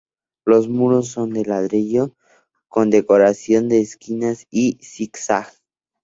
Los muros son de ladrillo con decoración de esquinillas y zigzag.